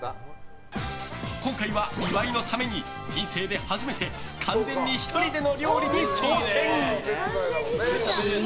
今回は岩井のために人生で初めて完全に１人での料理に挑戦。